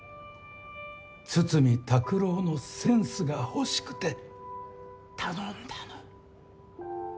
筒見拓郎のセンスが欲しくて頼んだの。